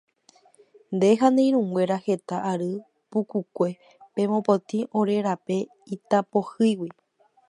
Nde ha ne irũnguéra heta ary pukukue pemopotĩ ore rape itapohýigui.